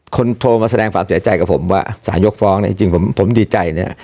โทรมาแสดงความเสียใจกับผมว่าสารยกฟ้องเนี่ยจริงผมดีใจเนี่ย